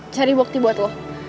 cari bukti buat lo